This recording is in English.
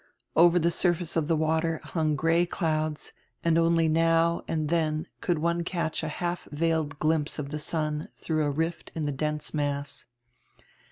Over the surface of die water hung gray clouds and only now and then could one catch a half veiled glimpse of the sun through a rift in die dense mass.